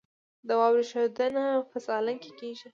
د واورې ښویدنه په سالنګ کې کیږي